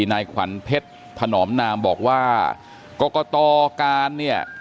นายขวัญเพชรถนอมนามบอกว่ากรกตการเนี่ย